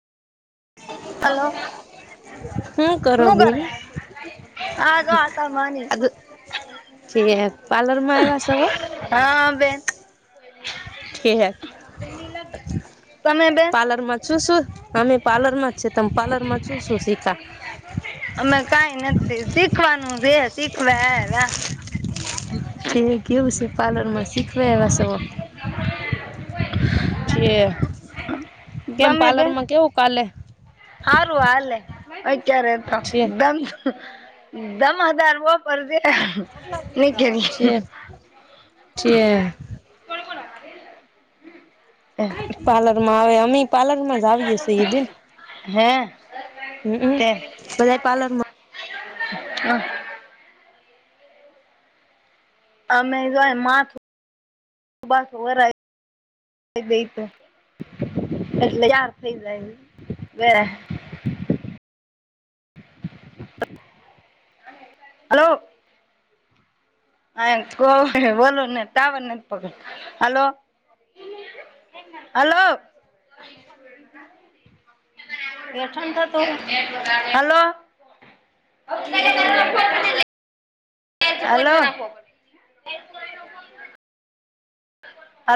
Hello [inaudible] હું કરો શું બેન કરે હા જો આટા મારી જે પાર્લરમાં આવા સવ હા બે ઠેક તમે એ બે શું શું અમે પાર્લર માં જ છે ત પાર્લર માં શું શું શીખા અમે કઈ નથી શીખવાનું છે શીખવાવે કે કેવું છે પાર્લર માં શીખવા એવા સ જે કેમ પાર્લર માં કેવું કાલે હારું હલે ક્યારેતો ઠેક દમ દમ હજાર બ પ ન ક ન ઠેક ઠેક પાર્લરમાં આવે અમી પાર્લર માં જ આવીય છે એ બેન હે હ બધા પાર્લરમાં હમ અમે જો માથ એટલે યાર થઈ જાય. હલો હ કો બોલોને ટાવર નથી પકડ હલો હલો બેઠ થતું હલો [inaudible] હલો હા